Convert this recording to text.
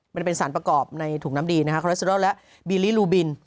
มันเป็นสารประกอบในถุงน้ำดีนะคะคอเลสเตอร์ดอลและบีลี่ลูบิน